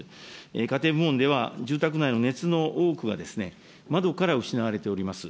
家庭部門では、住宅内の熱の多くは窓から失われております。